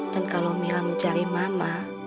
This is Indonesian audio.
dan kalau mira mencari mama